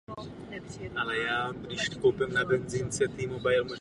Následně se jednotky zaměřily na skladiště zbraní a odpalovací místa raket.